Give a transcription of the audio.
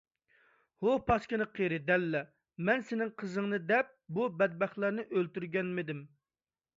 ھۇ پاسكىنا قېرى دەللە! مەن سېنىڭ قىزىڭنى دەپ بۇ بەتبەختلەرنى ئۆلتۈرگەنمىدىم؟